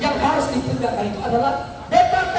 yang harus dikembangkan itu adalah